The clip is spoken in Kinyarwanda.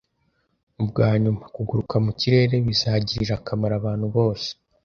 Ubwanyuma, kuguruka mu kirere bizagirira akamaro abantu bose.